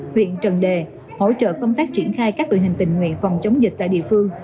huyện trần đề hỗ trợ công tác triển khai các đội hình tình nguyện phòng chống dịch tại địa phương